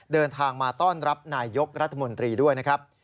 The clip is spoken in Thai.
เดินทางมาต้อนรับนายยกรัฐมนตรีด้วยนะครับ